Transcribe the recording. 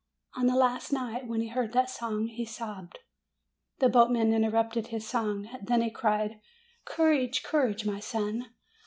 On the last night, when he heard that song, he sobbed. The boatman interrupted his song. Then he cried, "Courage, cour age, my son!